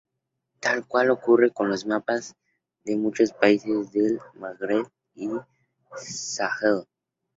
Tal cual ocurre con los mapas de muchos países del Magreb y el Sahel.